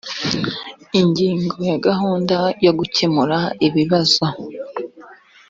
ingingo ya gahunda yo gukemura ibibazo